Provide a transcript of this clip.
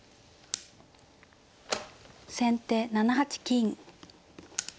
先手７八金。